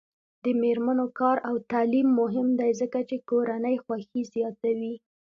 د میرمنو کار او تعلیم مهم دی ځکه چې کورنۍ خوښۍ زیاتوي.